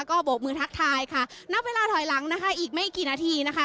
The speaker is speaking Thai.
ก็โบกมือทักทายค่ะนับเวลาถอยหลังนะคะอีกไม่กี่นาทีนะคะ